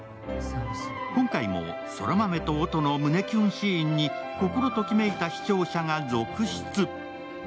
今回も空豆と音の胸キュンシーンに心ときめいた視聴者が続出。